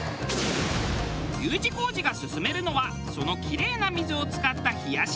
Ｕ字工事が薦めるのはそのキレイな水を使った冷やしグルメ。